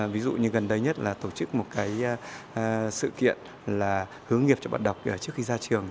ví dụ như gần đây nhất là tổ chức một cái sự kiện là hướng nghiệp cho bạn đọc trước khi ra trường